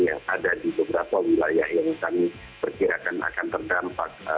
yang ada di beberapa wilayah yang kami perkirakan akan terdampak